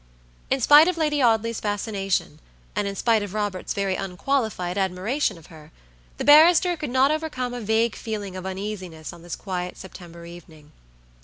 In spite of Lady Audley's fascination, and in spite of Robert's very unqualified admiration of her, the barrister could not overcome a vague feeling of uneasiness on this quiet September evening.